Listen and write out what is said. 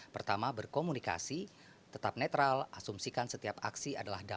pertama berkomunikasi tetap netral asumsikan setiap aksi adalah dampak